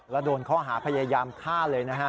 แล้วโดนข้อหาพยายามฆ่าเลยนะฮะ